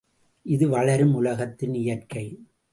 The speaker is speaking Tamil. இது வளரும் உலகத்தின் இயற்கை.